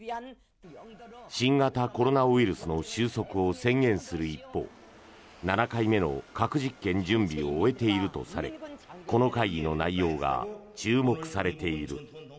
新型コロナウイルスの収束を宣言する一方７回目の核実験準備を終えているとされこの会議の内容が注目されている。